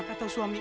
ibu dari mana